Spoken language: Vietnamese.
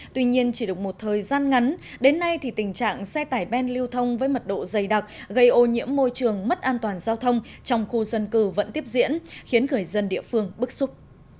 tuy nhiên chỉ được một thời gian ngắn đến nay thì tình trạng xe tải ben lưu thông với mật độ dày đặc gây ô nhiễm môi trường mất an toàn giao thông trong khu dân cư vẫn tiếp diễn khiến người dân địa phương bức xúc